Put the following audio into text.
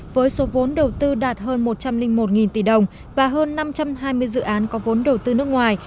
với số vốn đầu tư đạt hơn một trăm linh một tỷ đồng và hơn năm trăm hai mươi dự án có vốn đầu tư nước ngoài